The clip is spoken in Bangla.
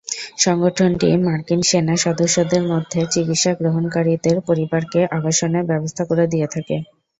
সংগঠনটি মার্কিন সেনা সদস্যদের মধ্যে চিকিৎসা গ্রহণকারীদের পরিবারকে আবাসনের ব্যবস্থা দিয়ে থাকে।